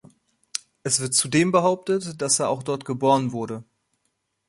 Es wird zudem behauptet, dass er auch dort geboren wurde.